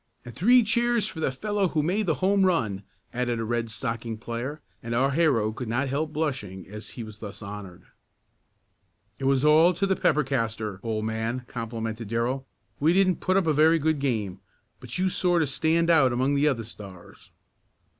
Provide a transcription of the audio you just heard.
"And three cheers for the fellow who made the home run!" added a Red Stocking player, and our hero could not help blushing as he was thus honored. "It was all to the pepper castor, old man," complimented Darrell. "We didn't put up a very good game, but you sort of stand out among the other Stars."